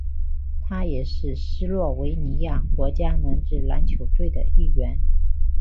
他也是斯洛维尼亚国家男子篮球队的一员。